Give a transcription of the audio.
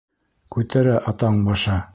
Күтәрә атаң башы!